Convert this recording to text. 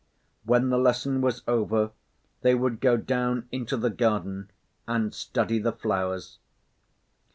When the lesson was over, they would go down into the garden and study the flowers.